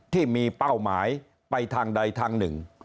ที่มีเป้าหมายไปทางใดทางหนึ่ง